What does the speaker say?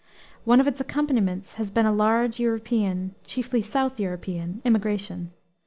One of its accompaniments has been a large European, chiefly south European, immigration.